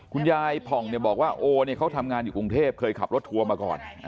คุณยายผ่องบอกว่าโอเนี่ยเขาทำงานอยู่กรุงเทพเคยขับรถทัวร์มาก่อน